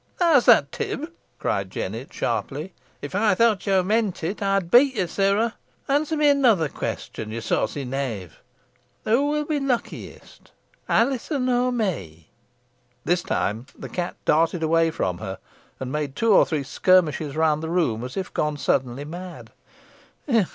"How's that, Tib?" cried Jennet, sharply. "If ey thought ye meant it, ey'd beat ye, sirrah. Answer me another question, ye saucy knave. Who will be luckiest, Alizon or me?" This time the cat darted away from her, and made two or three skirmishes round the room, as if gone suddenly mad.